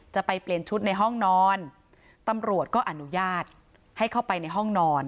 จะไปเปลี่ยนชุดในห้องนอนตำรวจก็อนุญาตให้เข้าไปในห้องนอน